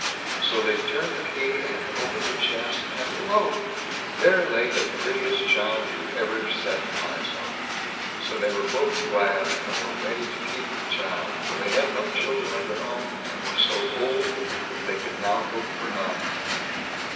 So they turned the key and opened the chest, and lo! there lay the prettiest child you ever set eyes on. So they were both glad, and were ready to keep the child, for they had no children of their own, and were so old, they could now hope for none.